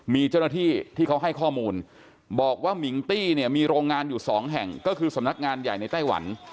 มีเจ้าหน้าที่ที่เขาให้ข้อมูลบอกว่ามิงตี้เนี่ยมีโรงงานอยู่สองแห่งก็คือสำนักงานใหญ่ในไต้หวัน